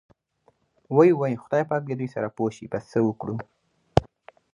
وۍ وۍ خدای پاک دې دوی سره پوه شي، بس څه وکړو.